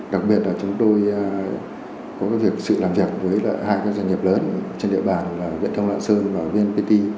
đặc biệt là chúng tôi có cái việc sự làm việc với lại hai cái doanh nghiệp lớn trên địa bàn là viện thông lạ sơn và vnpt